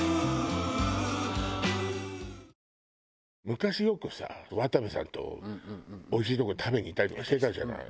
昔よくさ渡部さんとおいしいとこ食べに行ったりとかしてたじゃない。